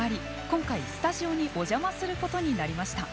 今回スタジオにおじゃますることになりました。